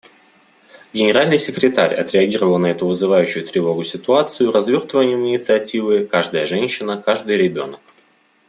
Генеральный секретарь отреагировал на эту вызывающую тревогу ситуацию развертыванием инициативы «Каждая женщина, каждый ребенок».